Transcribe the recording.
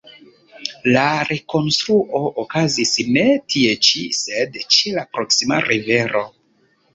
La rekonstruo okazis ne tie ĉi, sed ĉe la proksima rivero.